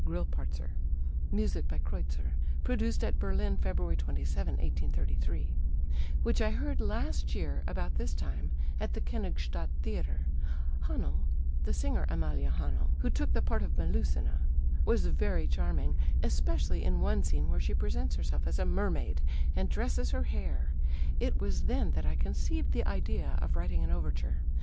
Grillparzer, music by Kreutzer, produced at Berlin February 27, 1833] which I heard last year about this time at the Königsstadt Theatre.... Hähnel [the singer Amalie Hähnel who took the part of Melusine] ... was very charming, especially in one scene where she presents herself as a mermaid and dresses her hair; it was then that I conceived the idea of writing an overture....